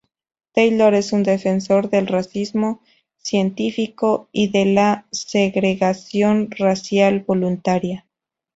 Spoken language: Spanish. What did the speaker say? Taylor es un defensor del racismo científico y de la segregación racial voluntaria.